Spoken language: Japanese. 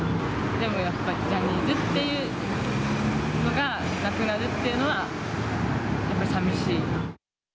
でもやっぱりジャニーズっていうのがなくなるっていうのは、やっぱりさみしい。